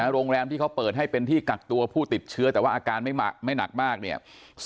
โรงแรมที่เขาเปิดให้เป็นที่กักตัวผู้ติดเชื้อแต่ว่าอาการไม่หนักมากเนี่ย